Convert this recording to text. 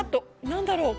何だろう？